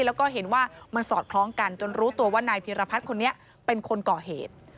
แล้วก็เห็นว่ามันสอดคล้องกันจนรู้ตัวว่านายพิรพัฒน์คนนี้เป็นคนก่อเหตุ